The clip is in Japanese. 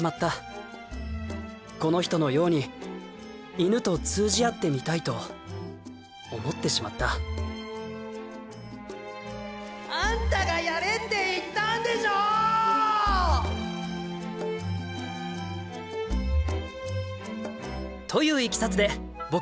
この人のように犬と通じ合ってみたいと思ってしまったあんたがやれって言ったんでしょっ！といういきさつで僕佐村未祐